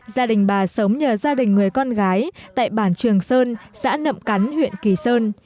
gia đình bà sống nhờ gia đình người con gái tại bản trường sơn xã nậm cắn huyện kỳ sơn